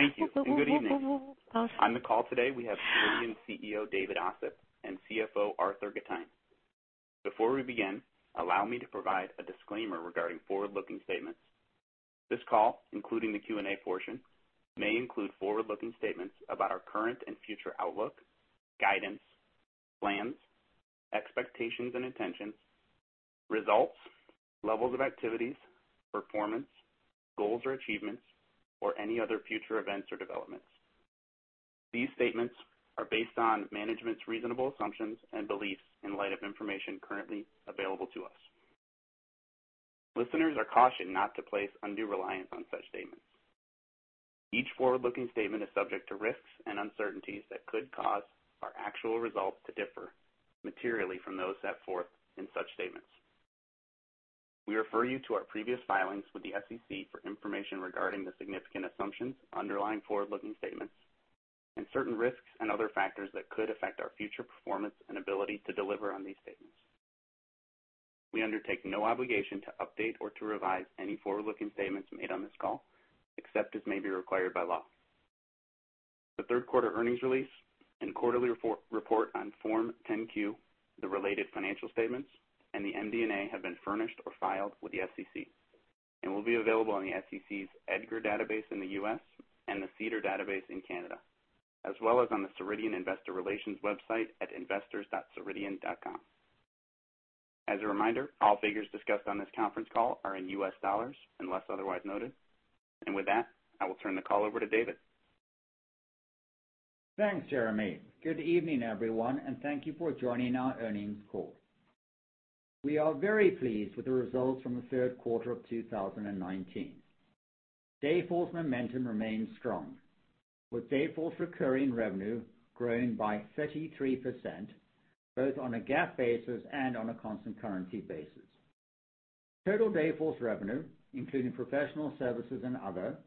Thank you, and good evening. On the call today, we have Ceridian CEO, David Ossip, and CFO, Arthur Gitajn. Before we begin, allow me to provide a disclaimer regarding forward-looking statements. This call, including the Q&A portion, may include forward-looking statements about our current and future outlook, guidance, plans, expectations and intentions, results, levels of activities, performance, goals or achievements, or any other future events or developments. These statements are based on management's reasonable assumptions and beliefs in light of information currently available to us. Listeners are cautioned not to place undue reliance on such statements. Each forward-looking statement is subject to risks and uncertainties that could cause our actual results to differ materially from those set forth in such statements. We refer you to our previous filings with the SEC for information regarding the significant assumptions underlying forward-looking statements and certain risks and other factors that could affect our future performance and ability to deliver on these statements. We undertake no obligation to update or to revise any forward-looking statements made on this call except as may be required by law. The third quarter earnings release and quarterly report on Form 10-Q, the related financial statements, and the MD&A have been furnished or filed with the SEC and will be available on the SEC's EDGAR database in the U.S. and the SEDAR database in Canada, as well as on the Ceridian investor relations website at investors.ceridian.com. As a reminder, all figures discussed on this conference call are in US dollars unless otherwise noted. With that, I will turn the call over to David. Thanks, Jeremy. Good evening, everyone, and thank you for joining our earnings call. We are very pleased with the results from the third quarter of 2019. Dayforce momentum remains strong, with Dayforce recurring revenue growing by 33%, both on a GAAP basis and on a constant currency basis. Total Dayforce revenue, including professional services and other,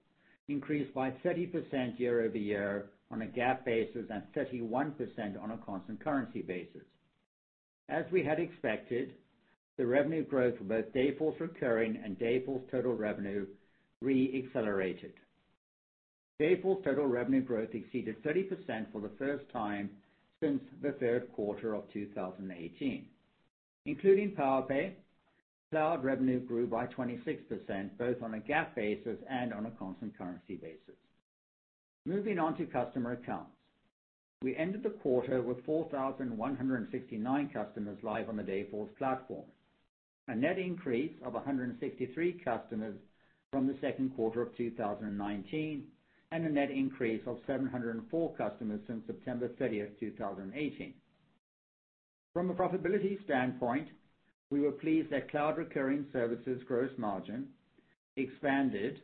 increased by 30% year-over-year on a GAAP basis and 31% on a constant currency basis. As we had expected, the revenue growth for both Dayforce recurring and Dayforce total revenue re-accelerated. Dayforce total revenue growth exceeded 30% for the first time since the third quarter of 2018. Including Powerpay, cloud revenue grew by 26%, both on a GAAP basis and on a constant currency basis. Moving on to customer accounts. We ended the quarter with 4,169 customers live on the Dayforce platform, a net increase of 163 customers from the second quarter of 2019, and a net increase of 704 customers since September 30th 2018. From a profitability standpoint, we were pleased that cloud recurring services gross margin expanded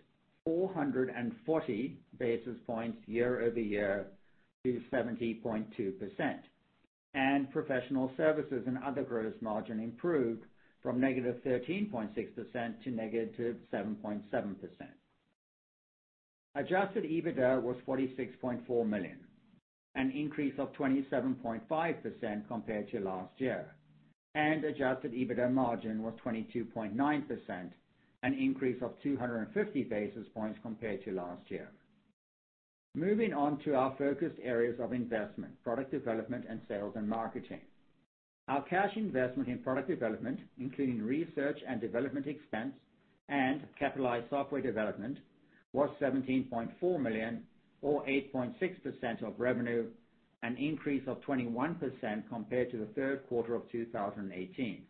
440 basis points year-over-year to 70.2%, and professional services and other gross margin improved from negative 13.6% to negative 7.7%. Adjusted EBITDA was $46.4 million, an increase of 27.5% compared to last year. Adjusted EBITDA margin was 22.9%, an increase of 250 basis points compared to last year. Moving on to our focused areas of investment, product development and sales and marketing. Our cash investment in product development, including research and development expense and capitalized software development, was $17.4 million or 8.6% of revenue, an increase of 21% compared to the third quarter of 2018.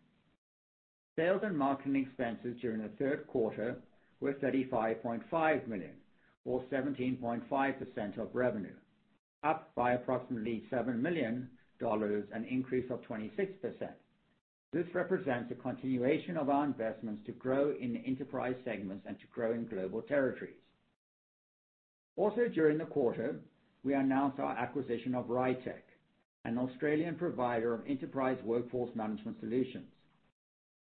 Sales and marketing expenses during the third quarter were $35.5 million or 17.5% of revenue, up by approximately $7 million, an increase of 26%. This represents a continuation of our investments to grow in the enterprise segments and to grow in global territories. Also during the quarter, we announced our acquisition of RITEQ, an Australian provider of enterprise workforce management solutions.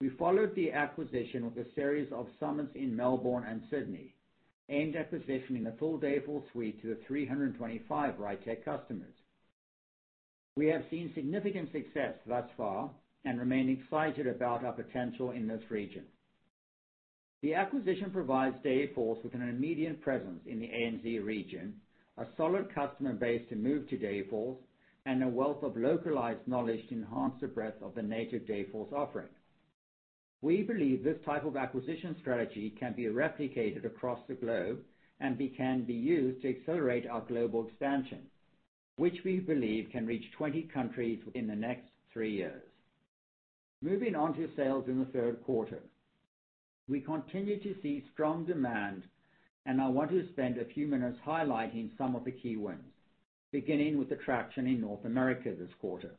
We followed the acquisition with a series of summits in Melbourne and Sydney aimed at positioning the full Dayforce suite to the 325 RITEQ customers. We have seen significant success thus far and remain excited about our potential in this region. The acquisition provides Dayforce with an immediate presence in the ANZ region, a solid customer base to move to Dayforce, and a wealth of localized knowledge to enhance the breadth of the native Dayforce offering. We believe this type of acquisition strategy can be replicated across the globe and can be used to accelerate our global expansion, which we believe can reach 20 countries within the next three years. Moving on to sales in the third quarter. We continue to see strong demand, and I want to spend a few minutes highlighting some of the key wins, beginning with the traction in North America this quarter.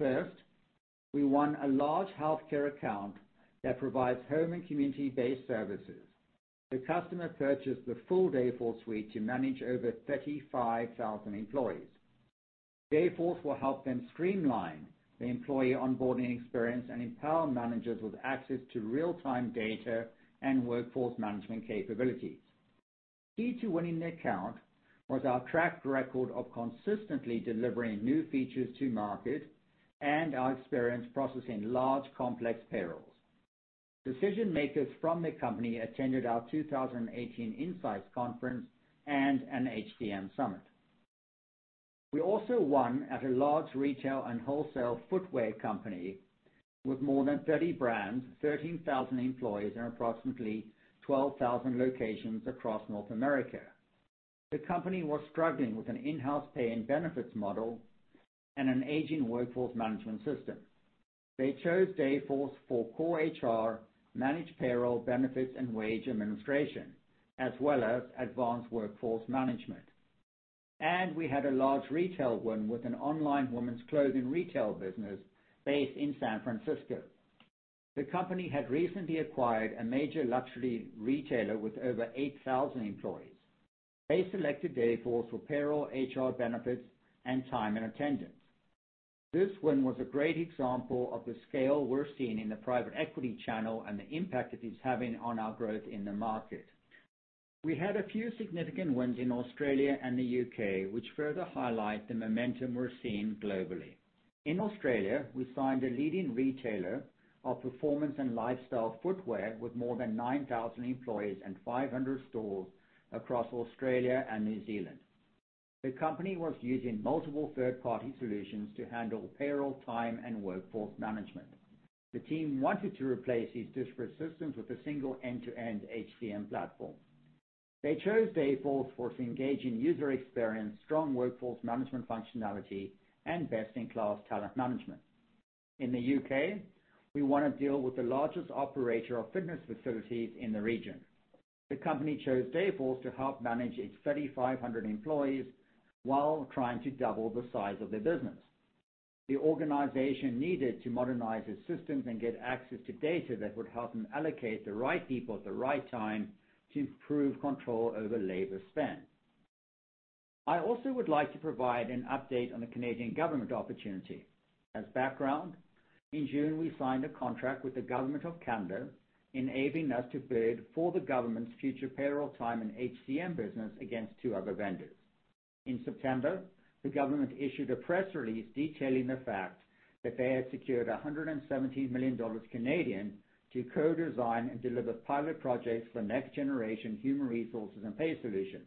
First, we won a large healthcare account that provides home and community-based services. The customer purchased the full Dayforce suite to manage over 35,000 employees. Dayforce will help them streamline the employee onboarding experience and empower managers with access to real-time data and workforce management capabilities. Key to winning the account was our track record of consistently delivering new features to market and our experience processing large complex payrolls. Decision makers from the company attended our 2018 INSIGHTS Conference and an HCM summit. We also won at a large retail and wholesale footwear company with more than 30 brands, 13,000 employees, and approximately 12,000 locations across North America. The company was struggling with an in-house pay and benefits model and an aging workforce management system. They chose Dayforce for core HR, managed payroll benefits, and wage administration, as well as advanced workforce management. We had a large retail win with an online women's clothing retail business based in San Francisco. The company had recently acquired a major luxury retailer with over 8,000 employees. They selected Dayforce for payroll, HR benefits, and time and attendance. This win was a great example of the scale we're seeing in the private equity channel and the impact it is having on our growth in the market. We had a few significant wins in Australia and the U.K., which further highlight the momentum we're seeing globally. In Australia, we signed a leading retailer of performance and lifestyle footwear with more than 9,000 employees and 500 stores across Australia and New Zealand. The company was using multiple third-party solutions to handle payroll, time, and workforce management. The team wanted to replace these disparate systems with a single end-to-end HCM platform. They chose Dayforce for its engaging user experience, strong workforce management functionality, and best-in-class talent management. In the U.K., we won a deal with the largest operator of fitness facilities in the region. The company chose Dayforce to help manage its 3,500 employees while trying to double the size of their business. The organization needed to modernize its systems and get access to data that would help them allocate the right people at the right time to improve control over labor spend. I also would like to provide an update on the Canadian government opportunity. As background, in June, we signed a contract with the government of Canada, enabling us to bid for the government's future payroll, time, and HCM business against two other vendors. In September, the government issued a press release detailing the fact that they had secured 117 million Canadian dollars to co-design and deliver pilot projects for next-generation human resources and pay solutions.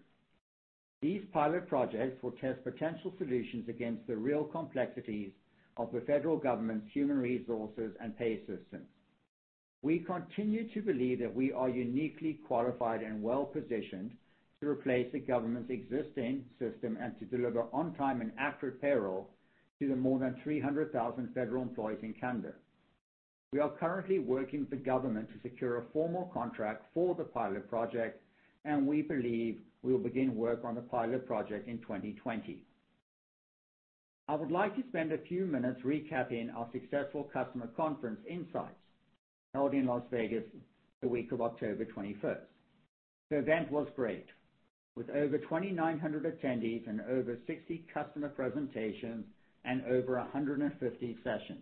These pilot projects will test potential solutions against the real complexities of the federal government's human resources and pay systems. We continue to believe that we are uniquely qualified and well-positioned to replace the government's existing system and to deliver on-time and accurate payroll to the more than 300,000 federal employees in Canada. We are currently working with the government to secure a formal contract for the pilot project, and we believe we will begin work on the pilot project in 2020. I would like to spend a few minutes recapping our successful customer conference, INSIGHTS, held in Las Vegas the week of October 21st. The event was great, with over 2,900 attendees and over 60 customer presentations and over 150 sessions.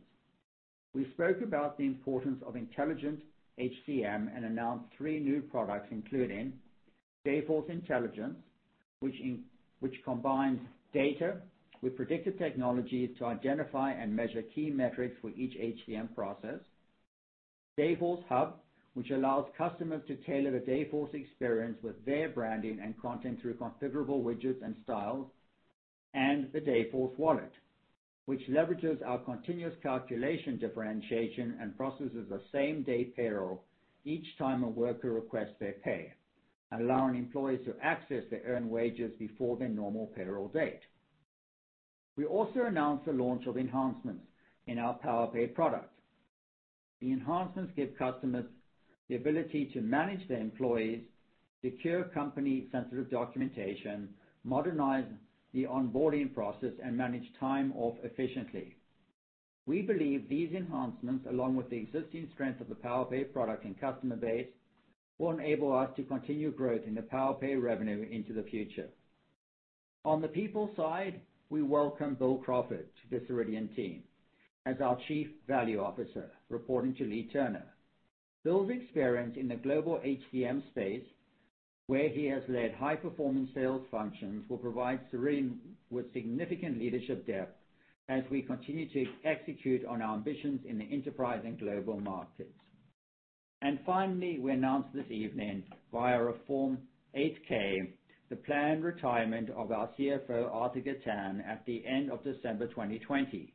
We spoke about the importance of intelligent HCM and announced three new products, including Dayforce Intelligence, which combines data with predictive technologies to identify and measure key metrics for each HCM process, Dayforce Hub, which allows customers to tailor the Dayforce experience with their branding and content through configurable widgets and styles, and the Dayforce Wallet, which leverages our continuous calculation differentiation and processes the same-day payroll each time a worker requests their pay, allowing employees to access their earned wages before their normal payroll date. We also announced the launch of enhancements in our Powerpay product. The enhancements give customers the ability to manage their employees, secure company-sensitive documentation, modernize the onboarding process, and manage time off efficiently. We believe these enhancements, along with the existing strength of the Powerpay product and customer base, will enable us to continue growth in the Powerpay revenue into the future. On the people side, we welcome Bill Crawford to the Ceridian team as our Chief Value Officer, reporting to Leagh Turner. Bill's experience in the global HCM space, where he has led high-performance sales functions, will provide Ceridian with significant leadership depth as we continue to execute on our ambitions in the enterprise and global markets. Finally, we announced this evening via a Form 8-K the planned retirement of our CFO, Arthur Gitajn, at the end of December 2020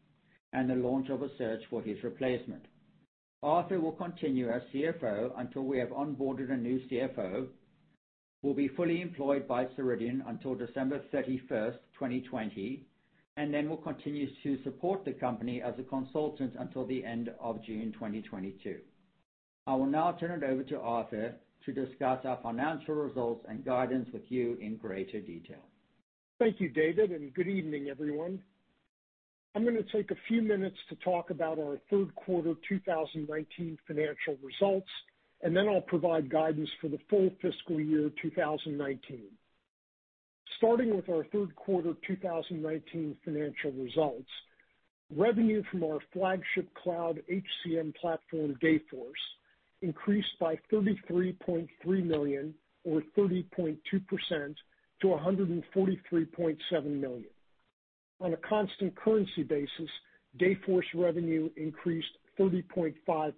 and the launch of a search for his replacement. Arthur will continue as CFO until we have onboarded a new cfo, will be fully employed by Ceridian until December 31st, 2020, and then will continue to support the company as a consultant until the end of June 2022. I will now turn it over to Arthur to discuss our financial results and guidance with you in greater detail. Thank you, David, and good evening, everyone. I'm going to take a few minutes to talk about our third quarter 2019 financial results, and then I'll provide guidance for the full fiscal year 2019. Starting with our third quarter 2019 financial results, revenue from our flagship cloud HCM platform, Dayforce, increased by $33.3 million or 30.2% to $143.7 million. On a constant currency basis, Dayforce revenue increased 30.5%.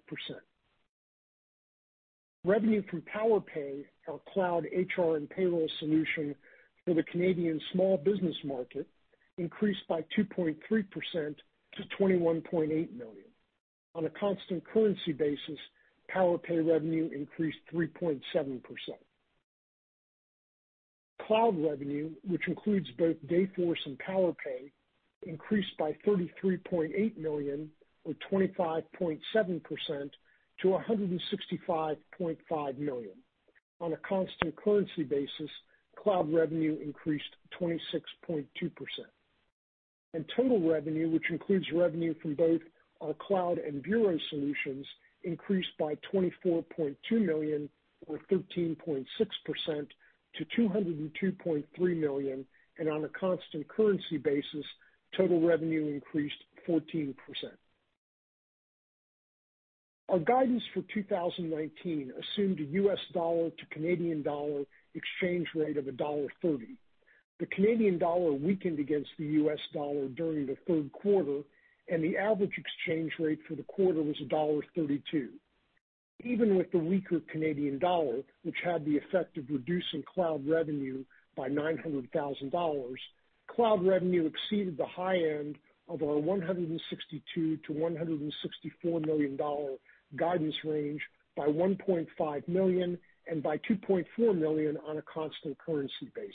Revenue from Powerpay, our cloud HR and payroll solution for the Canadian small business market, increased by 2.3% to $21.8 million. On a constant currency basis, Powerpay revenue increased 3.7%. Cloud revenue, which includes both Dayforce and Powerpay, increased by $33.8 million or 25.7% to $165.5 million. On a constant currency basis, cloud revenue increased 26.2%. Total revenue, which includes revenue from both our cloud and bureau solutions, increased by $24.2 million or 13.6% to $202.3 million. On a constant currency basis, total revenue increased 14%. Our guidance for 2019 assumed a US dollar to Canadian dollar exchange rate of dollar 1.30. The Canadian dollar weakened against the US dollar during the third quarter. The average exchange rate for the quarter was dollar 1.32. Even with the weaker Canadian dollar, which had the effect of reducing cloud revenue by $900,000, cloud revenue exceeded the high end of our $162 million-$164 million guidance range by $1.5 million and by $2.4 million on a constant currency basis.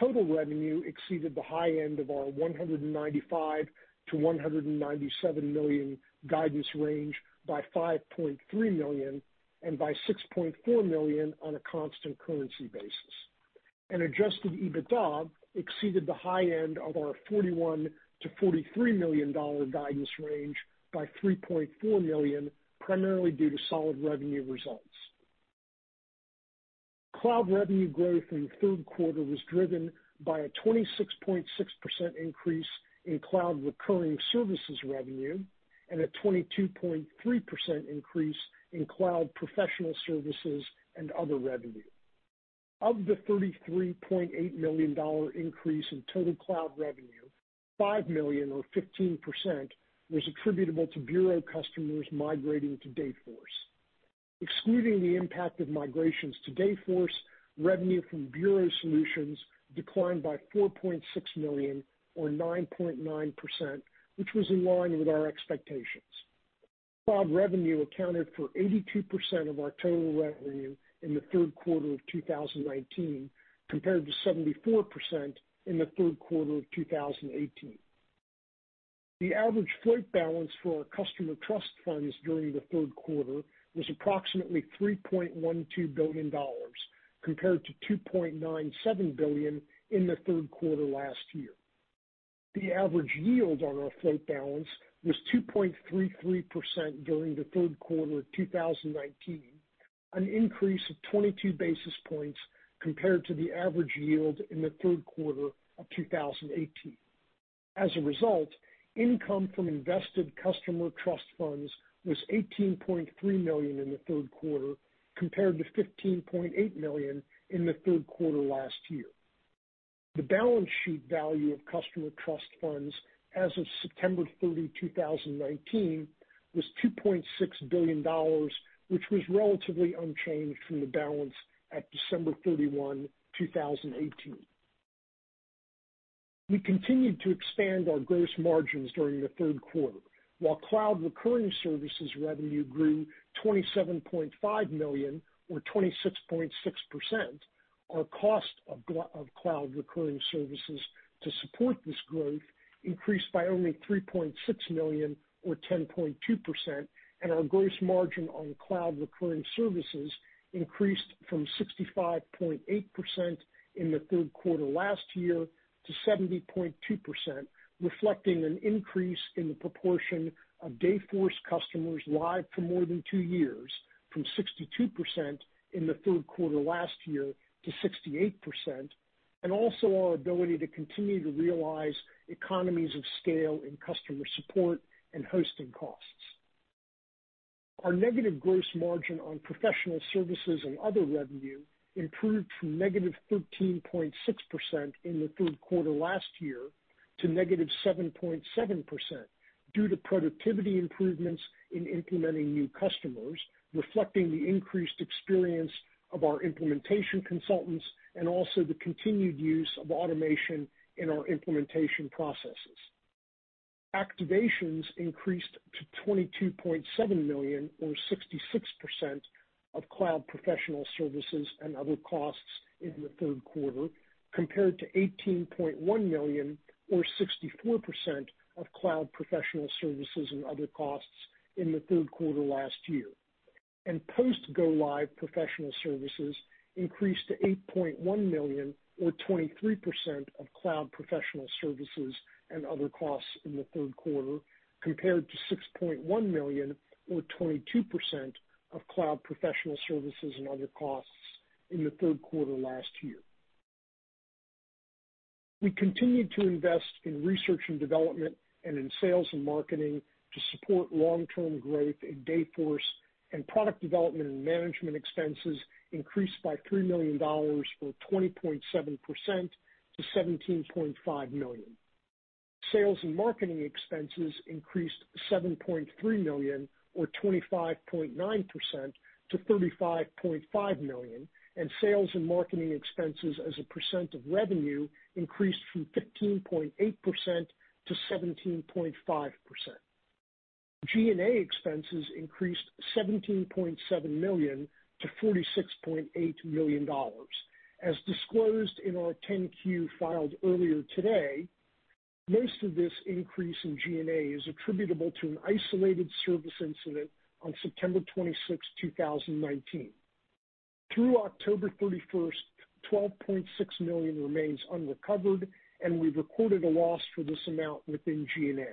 Total revenue exceeded the high end of our $195 million-$197 million guidance range by $5.3 million and by $6.4 million on a constant currency basis. Adjusted EBITDA exceeded the high end of our $41 million-$43 million guidance range by $3.4 million, primarily due to solid revenue results. Cloud revenue growth in the third quarter was driven by a 26.6% increase in cloud recurring services revenue and a 22.3% increase in cloud professional services and other revenue. Of the $33.8 million increase in total cloud revenue, $5 million or 15% was attributable to bureau customers migrating to Dayforce. Excluding the impact of migrations to Dayforce, revenue from bureau solutions declined by $4.6 million or 9.9%, which was in line with our expectations. Cloud revenue accounted for 82% of our total revenue in the third quarter of 2019, compared to 74% in the third quarter of 2018. The average float balance for our customer trust funds during the third quarter was approximately $3.12 billion, compared to $2.97 billion in the third quarter last year. The average yield on our float balance was 2.33% during the third quarter of 2019, an increase of 22 basis points compared to the average yield in the third quarter of 2018. As a result, income from invested customer trust funds was $18.3 million in the third quarter, compared to $15.8 million in the third quarter last year. The balance sheet value of customer trust funds as of September 30, 2019, was $2.6 billion, which was relatively unchanged from the balance at December 31, 2018. We continued to expand our gross margins during the third quarter. While cloud recurring services revenue grew $27.5 million or 26.6%, our cost of cloud recurring services to support this growth increased by only $3.6 million or 10.2%, and our gross margin on cloud recurring services increased from 65.8% in the third quarter last year to 70.2%, reflecting an increase in the proportion of Dayforce customers live for more than two years, from 62% in the third quarter last year to 68%, and also our ability to continue to realize economies of scale in customer support and hosting costs. Our negative gross margin on professional services and other revenue improved from negative 13.6% in the third quarter last year to negative 7.7% due to productivity improvements in implementing new customers, reflecting the increased experience of our implementation consultants and also the continued use of automation in our implementation processes. Activations increased to $22.7 million or 66% of cloud professional services and other costs in the third quarter, compared to $18.1 million or 64% of cloud professional services and other costs in the third quarter last year. Post go-live professional services increased to $8.1 million or 23% of cloud professional services and other costs in the third quarter, compared to $6.1 million or 22% of cloud professional services and other costs in the third quarter last year. We continued to invest in research and development and in sales and marketing to support long-term growth in Dayforce. Product development and management expenses increased by $3 million or 20.7% to $17.5 million. Sales and marketing expenses increased $7.3 million or 25.9% to $35.5 million, and sales and marketing expenses as a percent of revenue increased from 15.8% to 17.5%. G&A expenses increased $17.7 million to $46.8 million. As disclosed in our 10-Q filed earlier today, most of this increase in G&A is attributable to an isolated service incident on September 26th, 2019. Through October 31st, $12.6 million remains unrecovered. We recorded a loss for this amount within G&A.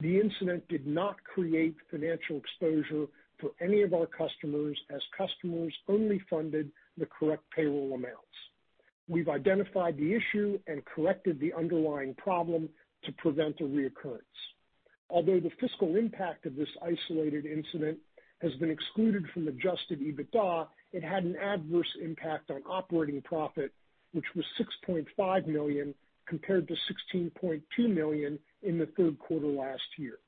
The incident did not create financial exposure for any of our customers, as customers only funded the correct payroll amounts. We've identified the issue and corrected the underlying problem to prevent a reoccurrence. Although the fiscal impact of this isolated incident has been excluded from adjusted EBITDA, it had an adverse impact on operating profit, which was $6.5 million compared to $16.2 million in the third quarter last year.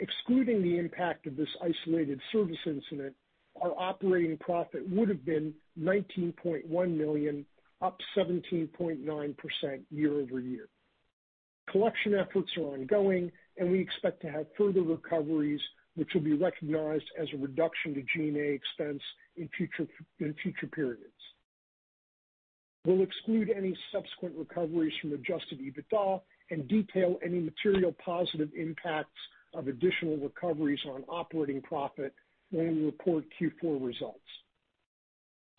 Excluding the impact of this isolated service incident, our operating profit would have been $19.1 million, up 17.9% year-over-year. Collection efforts are ongoing, and we expect to have further recoveries, which will be recognized as a reduction to G&A expense in future periods. We'll exclude any subsequent recoveries from adjusted EBITDA and detail any material positive impacts of additional recoveries on operating profit when we report Q4 results.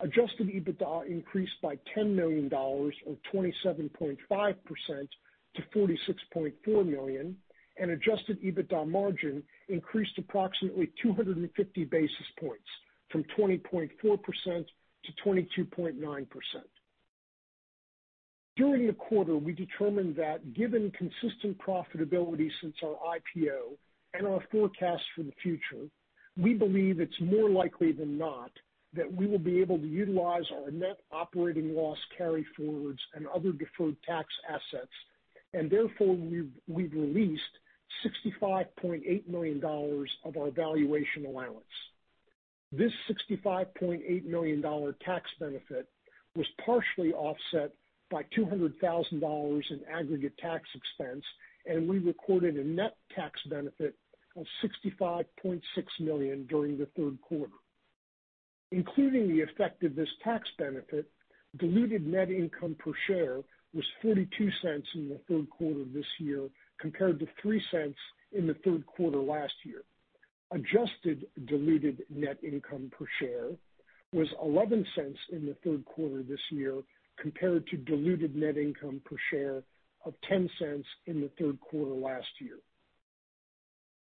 Adjusted EBITDA increased by $10 million or 27.5% to $46.4 million, and adjusted EBITDA margin increased approximately 250 basis points from 20.4% to 22.9%. During the quarter, we determined that given consistent profitability since our IPO and our forecast for the future, we believe it's more likely than not that we will be able to utilize our net operating loss carryforwards and other deferred tax assets. Therefore, we've released $65.8 million of our valuation allowance. This $65.8 million tax benefit was partially offset by $200,000 in aggregate tax expense. We recorded a net tax benefit of $65.6 million during the third quarter. Including the effect of this tax benefit, diluted net income per share was $0.42 in the third quarter of this year, compared to $0.03 in the third quarter last year. Adjusted diluted net income per share was $0.11 in the third quarter this year, compared to diluted net income per share of $0.10 in the third quarter last year.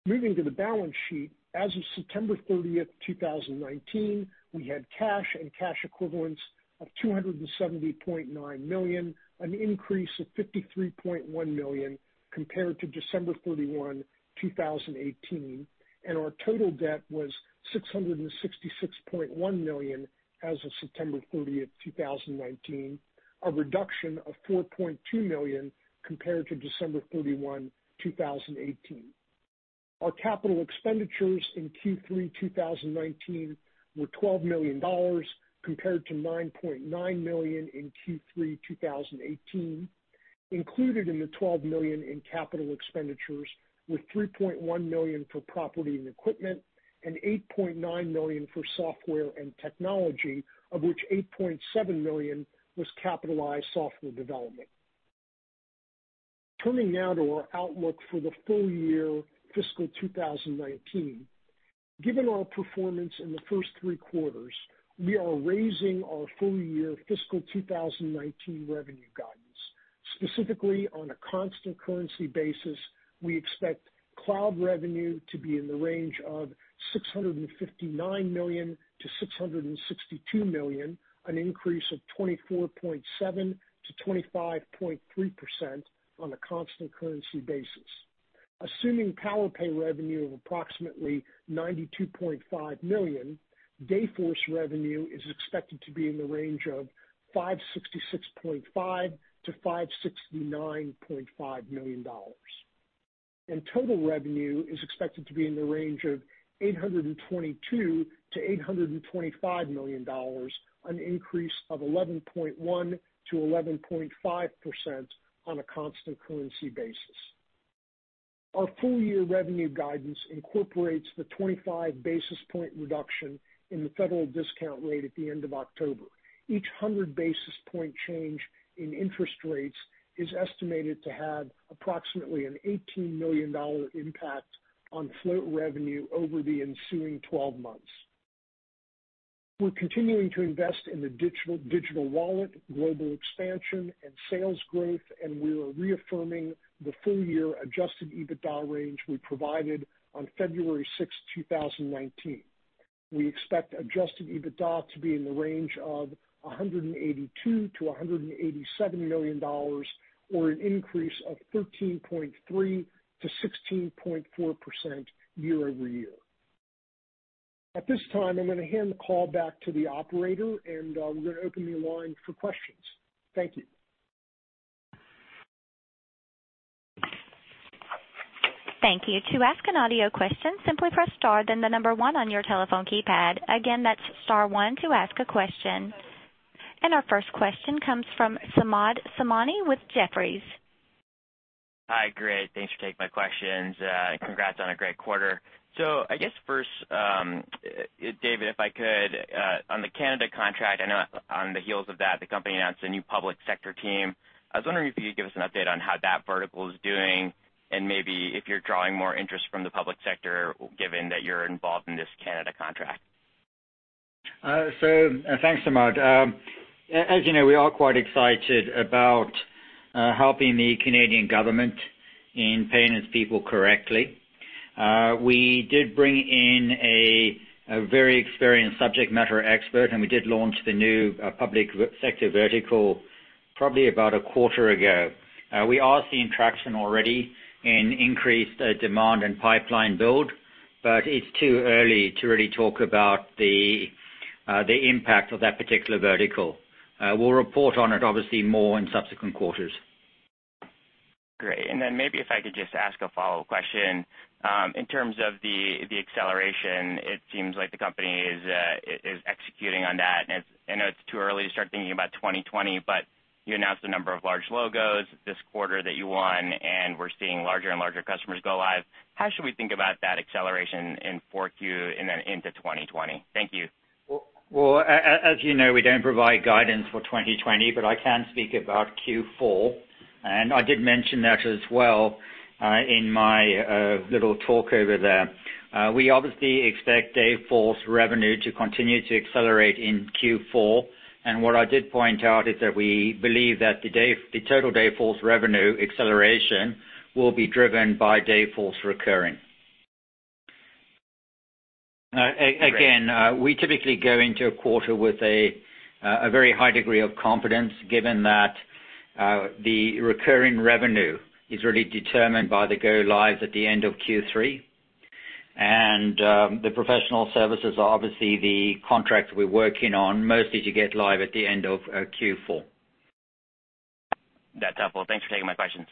Moving to the balance sheet, as of September 30th, 2019, we had cash and cash equivalents of $270.9 million, an increase of $53.1 million compared to December 31, 2018. Our total debt was $666.1 million as of September 30th, 2019, a reduction of $4.2 million compared to December 31, 2018. Our capital expenditures in Q3 2019 were $12 million, compared to $9.9 million in Q3 2018. Included in the $12 million in capital expenditures were $3.1 million for property and equipment and $8.9 million for software and technology, of which $8.7 million was capitalized software development. Turning now to our outlook for the full year fiscal 2019. Given our performance in the first three quarters, we are raising our full year fiscal 2019 revenue guidance. Specifically, on a constant currency basis, we expect cloud revenue to be in the range of $659 million-$662 million, an increase of 24.7%-25.3% on a constant currency basis. Assuming Powerpay revenue of approximately $92.5 million, Dayforce revenue is expected to be in the range of $566.5 million-$569.5 million. Total revenue is expected to be in the range of $822 million-$825 million, an increase of 11.1%-11.5% on a constant currency basis. Our full-year revenue guidance incorporates the 25 basis point reduction in the federal discount rate at the end of October. Each 100 basis point change in interest rates is estimated to have approximately an $18 million impact on float revenue over the ensuing 12 months. We're continuing to invest in the Dayforce Wallet, global expansion, and sales growth, and we are reaffirming the full-year adjusted EBITDA range we provided on February 6, 2019. We expect adjusted EBITDA to be in the range of $182 million-$187 million, or an increase of 13.3%-16.4% year-over-year. At this time, I'm going to hand the call back to the operator, and we're going to open the line for questions. Thank you. Thank you. To ask an audio question, simply press star then the number 1 on your telephone keypad. Again, that's star 1 to ask a question. Our first question comes from Samad Samana with Jefferies. Hi, great. Thanks for taking my questions. Congrats on a great quarter. I guess first, David, if I could, on the Canada contract, I know on the heels of that, the company announced a new public sector team. I was wondering if you could give us an update on how that vertical is doing and maybe if you're drawing more interest from the public sector, given that you're involved in this Canada contract. Thanks, Samad. As you know, we are quite excited about helping the Canadian government in paying its people correctly. We did bring in a very experienced subject matter expert, and we did launch the new public sector vertical probably about a quarter ago. We are seeing traction already in increased demand and pipeline build, but it's too early to really talk about the impact of that particular vertical. We'll report on it obviously more in subsequent quarters. Great. Maybe if I could just ask a follow-up question. In terms of the acceleration, it seems like the company is executing on that. I know it's too early to start thinking about 2020, but you announced a number of large logos this quarter that you won, and we're seeing larger and larger customers go live. How should we think about that acceleration in 4Q and then into 2020? Thank you. Well, as you know, we don't provide guidance for 2020, but I can speak about Q4, and I did mention that as well in my little talk over there. We obviously expect Dayforce revenue to continue to accelerate in Q4. What I did point out is that we believe that the total Dayforce revenue acceleration will be driven by Dayforce recurring. Great. We typically go into a quarter with a very high degree of confidence given that the recurring revenue is really determined by the go lives at the end of Q3. The professional services are obviously the contracts we're working on mostly to get live at the end of Q4. That's helpful. Thanks for taking my questions.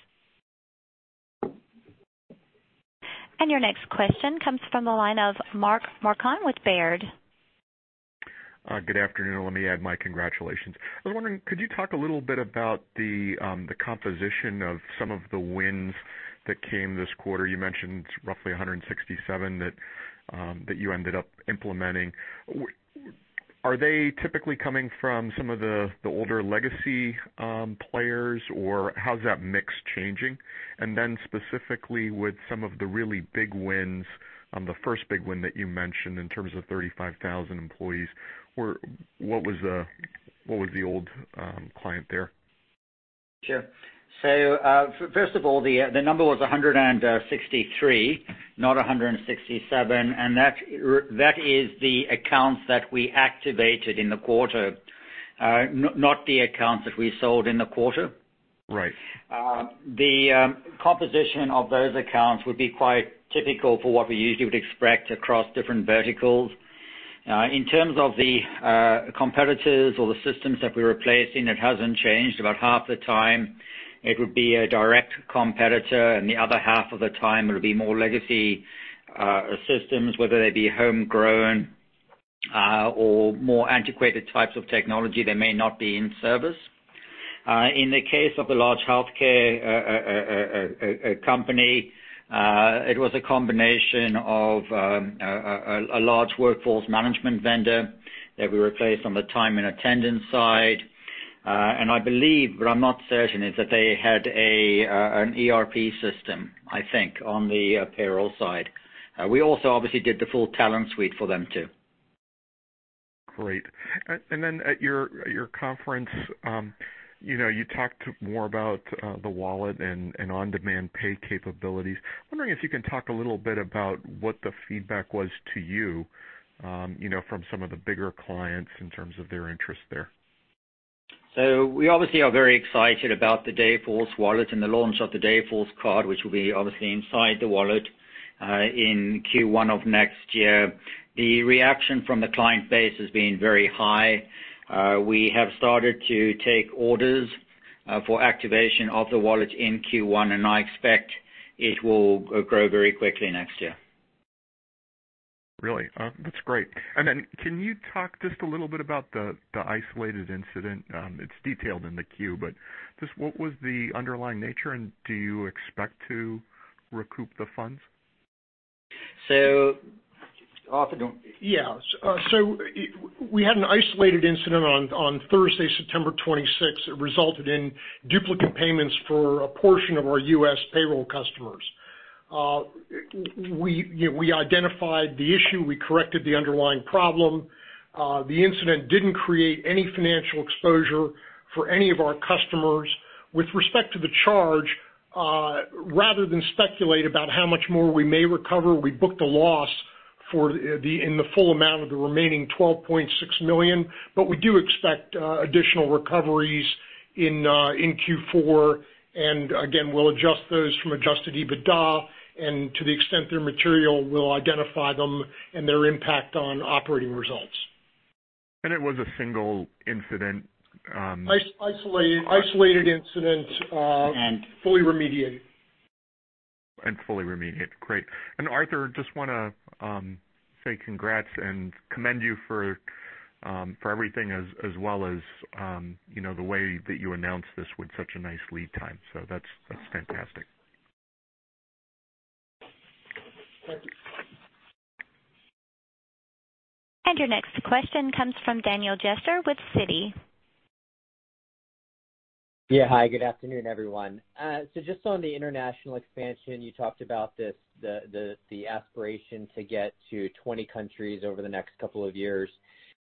Your next question comes from the line of Mark Marcon with Baird. Good afternoon. Let me add my congratulations. I was wondering, could you talk a little bit about the composition of some of the wins that came this quarter? You mentioned roughly 167 that you ended up implementing. Are they typically coming from some of the older legacy players, or how's that mix changing? Specifically, with some of the really big wins, the first big win that you mentioned in terms of 35,000 employees, what was the old client there? Sure. First of all, the number was 163, not 167. That is the accounts that we activated in the quarter, not the accounts that we sold in the quarter. Right. The composition of those accounts would be quite typical for what we usually would expect across different verticals. In terms of the competitors or the systems that we're replacing, it hasn't changed. About half the time it would be a direct competitor, and the other half of the time it would be more legacy systems, whether they be homegrown or more antiquated types of technology that may not be in service. In the case of the large healthcare company, it was a combination of a large workforce management vendor that we replaced on the time and attendance side. I believe, but I'm not certain, is that they had an ERP system, I think, on the payroll side. We also obviously did the full talent suite for them, too. Great. At your conference, you talked more about the wallet and on-demand pay capabilities. I'm wondering if you can talk a little bit about what the feedback was to you from some of the bigger clients in terms of their interest there? We obviously are very excited about the Dayforce Wallet and the launch of the Dayforce Card, which will be obviously inside the Wallet in Q1 of next year. The reaction from the client base has been very high. We have started to take orders for activation of the Wallet in Q1, and I expect it will grow very quickly next year. Really? That's great. Can you talk just a little bit about the isolated incident? It's detailed in the 10-Q, but just what was the underlying nature, and do you expect to recoup the funds? So often don't- We had an isolated incident on Thursday, September 26th. It resulted in duplicate payments for a portion of our U.S. payroll customers. We identified the issue, we corrected the underlying problem. The incident didn't create any financial exposure for any of our customers. With respect to the charge, rather than speculate about how much more we may recover, we booked a loss in the full amount of the remaining $12.6 million. We do expect additional recoveries In Q4. Again, we'll adjust those from adjusted EBITDA, and to the extent they're material, we'll identify them and their impact on operating results. It was a single incident. Isolated incident. And- Fully remediated. Fully remediated. Great. Arthur, just want to say congrats and commend you for everything as well as the way that you announced this with such a nice lead time. That's fantastic. Thank you. Your next question comes from Daniel Jester with Citi. Yeah. Hi, good afternoon, everyone. Just on the international expansion, you talked about the aspiration to get to 20 countries over the next couple of years.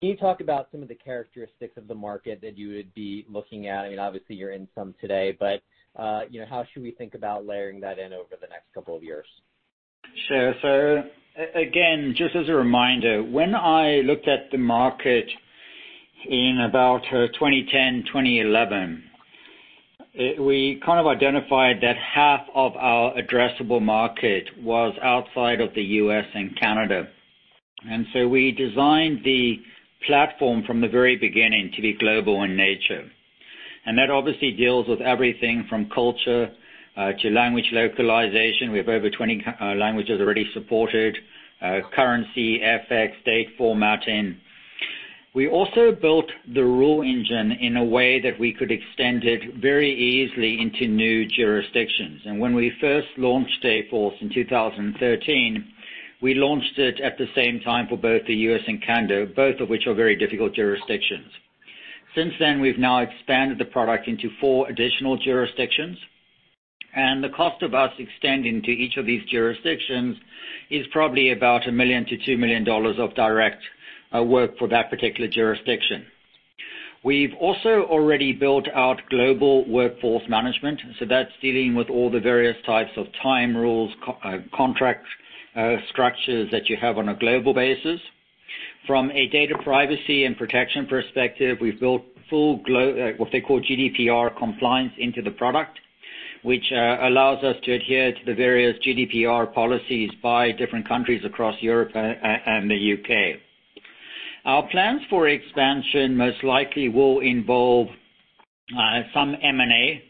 Can you talk about some of the characteristics of the market that you would be looking at? Obviously, you're in some today, but how should we think about layering that in over the next couple of years? Sure. Again, just as a reminder, when I looked at the market in about 2010, 2011, we kind of identified that half of our addressable market was outside of the U.S. and Canada. We designed the platform from the very beginning to be global in nature. That obviously deals with everything from culture to language localization. We have over 20 languages already supported, currency, FX, date formatting. We also built the rule engine in a way that we could extend it very easily into new jurisdictions. When we first launched Dayforce in 2013, we launched it at the same time for both the U.S. and Canada, both of which are very difficult jurisdictions. Since then, we've now expanded the product into four additional jurisdictions, and the cost of us extending to each of these jurisdictions is probably about $1 million-$2 million of direct work for that particular jurisdiction. We've also already built out global workforce management, so that's dealing with all the various types of time rules, contract structures that you have on a global basis. From a data privacy and protection perspective, we've built full, what they call GDPR compliance into the product, which allows us to adhere to the various GDPR policies by different countries across Europe and the U.K. Our plans for expansion most likely will involve some M&A,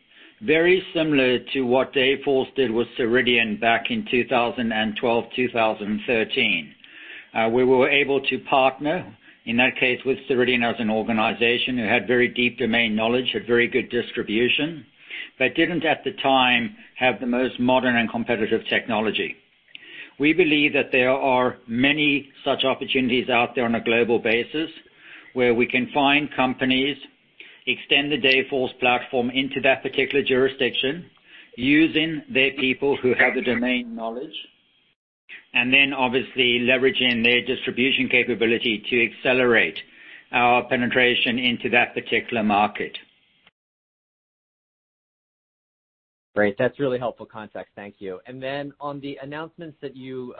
very similar to what Dayforce did with Ceridian back in 2012, 2013. We were able to partner, in that case, with Ceridian as an organization who had very deep domain knowledge, had very good distribution, but didn't, at the time, have the most modern and competitive technology. We believe that there are many such opportunities out there on a global basis where we can find companies, extend the Dayforce platform into that particular jurisdiction using their people who have the domain knowledge, and then obviously leveraging their distribution capability to accelerate our penetration into that particular market. Great. That's really helpful context. Thank you. On the announcements that you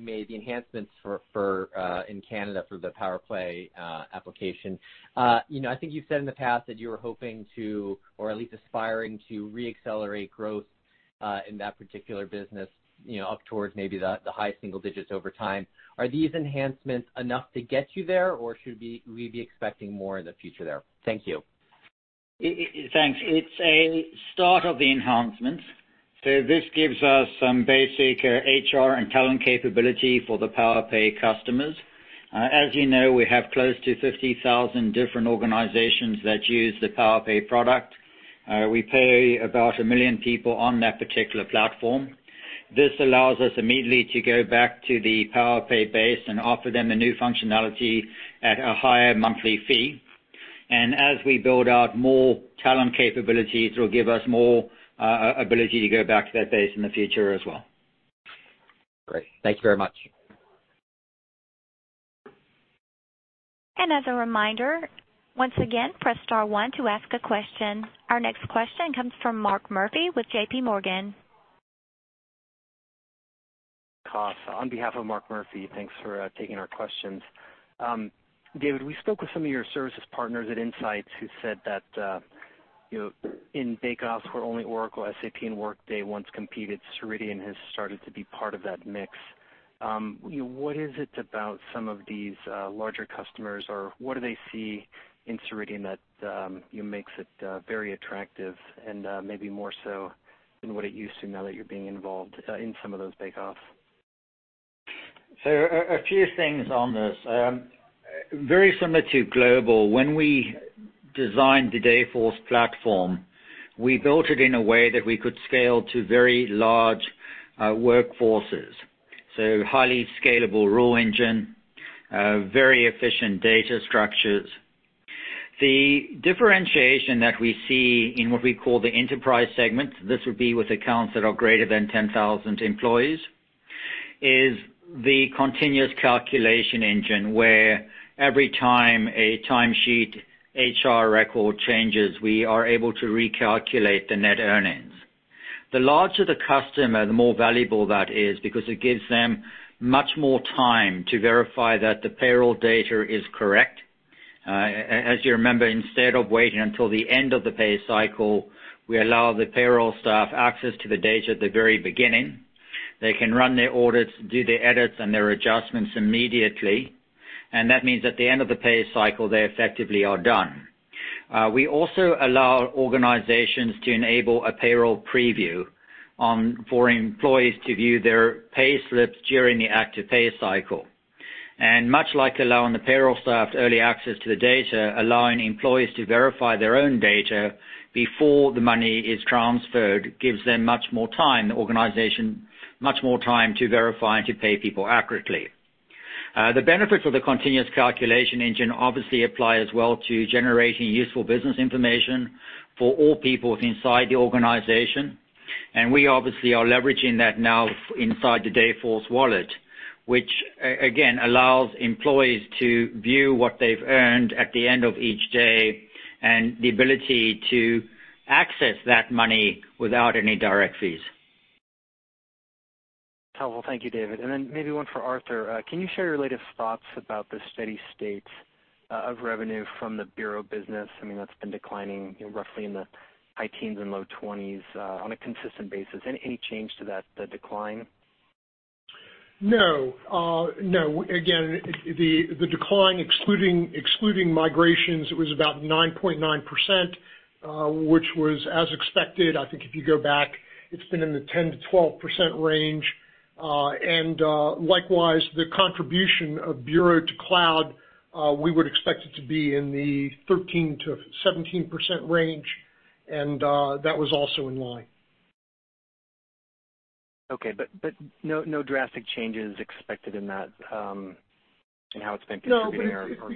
made, the enhancements in Canada for the Powerpay application. I think you've said in the past that you were hoping to or at least aspiring to re-accelerate growth, in that particular business up towards maybe the high single digits over time. Are these enhancements enough to get you there, or should we be expecting more in the future there? Thank you. Thanks. It is a start of the enhancements. This gives us some basic HR and talent capability for the Powerpay customers. As you know, we have close to 50,000 different organizations that use the Powerpay product. We pay about 1 million people on that particular platform. This allows us immediately to go back to the Powerpay base and offer them a new functionality at a higher monthly fee. As we build out more talent capabilities, it will give us more ability to go back to that base in the future as well. Great. Thank you very much. As a reminder, once again, press star one to ask a question. Our next question comes from Mark Murphy with JPMorgan. On behalf of Mark Murphy, thanks for taking our questions. David, we spoke with some of your services partners at INSIGHTS who said that in bake-offs where only Oracle, SAP, and Workday once competed, Ceridian has started to be part of that mix. What is it about some of these larger customers, or what do they see in Ceridian that makes it very attractive and maybe more so than what it used to now that you're being involved in some of those bake-offs? A few things on this. Very similar to global, when we designed the Dayforce platform, we built it in a way that we could scale to very large workforces. Highly scalable rule engine, very efficient data structures. The differentiation that we see in what we call the enterprise segment, this would be with accounts that are greater than 10,000 employees, is the continuous calculation engine, where every time a timesheet HR record changes, we are able to recalculate the net earnings. The larger the customer, the more valuable that is because it gives them much more time to verify that the payroll data is correct. As you remember, instead of waiting until the end of the pay cycle, we allow the payroll staff access to the data at the very beginning. They can run their audits, do their edits and their adjustments immediately. That means at the end of the pay cycle, they effectively are done. We also allow organizations to enable a payroll preview for employees to view their payslips during the active pay cycle. Much like allowing the payroll staff early access to the data, allowing employees to verify their own data before the money is transferred gives the organization much more time to verify and to pay people accurately. The benefits of the continuous calculation engine obviously apply as well to generating useful business information for all people inside the organization. We obviously are leveraging that now inside the Dayforce Wallet, which again, allows employees to view what they've earned at the end of each day and the ability to access that money without any direct fees. Well, thank you, David. Maybe one for Arthur, can you share your latest thoughts about the steady state of revenue from the bureau business? I mean, that's been declining roughly in the high teens and low twenties on a consistent basis. Any change to that decline? No. Again, the decline excluding migrations was about 9.9%, which was as expected. I think if you go back, it's been in the 10%-12% range. Likewise, the contribution of bureau to cloud, we would expect it to be in the 13%-17% range, and that was also in line. Okay. No drastic changes expected in that and how it's been contributing or growing? No, it's